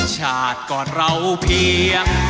ชาติก่อนเราเพียง